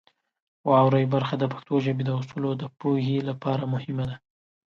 واورئ برخه د پښتو ژبې د اصولو د پوهې لپاره مهمه ده.